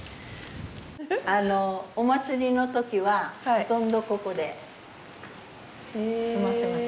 お祭りの時はほとんどここで座ってます。